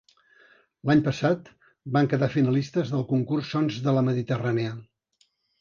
L'any passat van quedar finalistes del concurs Sons de la Mediterrània.